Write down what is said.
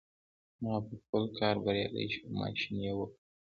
هغه په خپل کار بريالی شو او ماشين يې وپلوره.